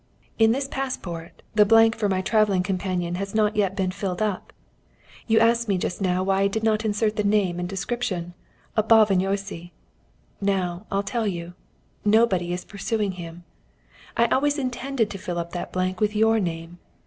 In this passport the blank for my travelling companion has not yet been filled up. You asked me just now why I did not insert the name and description of Bálványossi. Now, I'll tell you. Nobody is pursuing him. I always intended to fill up that blank with your name.